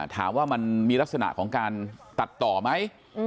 ถามว่ามันมีลักษณะของการตัดต่อไหม